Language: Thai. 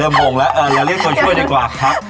เริ่มพงแล้วเรียนตัวช่วยก่อน